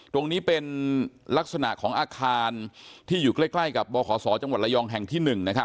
ตรงนี้เป็นลักษณะของอาคารที่อยู่ใกล้กับบขศจังหวัดระยองแห่งที่๑